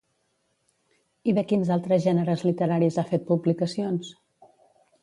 I de quins altres gèneres literaris ha fet publicacions?